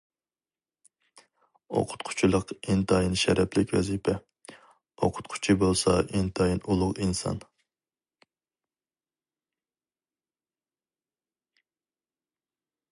ئوقۇتقۇچىلىق ئىنتايىن شەرەپلىك ۋەزىپە، ئوقۇتقۇچى بولسا ئىنتايىن ئۇلۇغ ئىنسان.